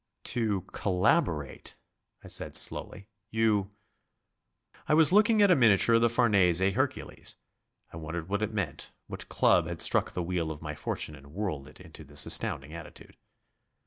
"To collaborate," I said slowly. "You...." I was looking at a miniature of the Farnese Hercules I wondered what it meant, what club had struck the wheel of my fortune and whirled it into this astounding attitude.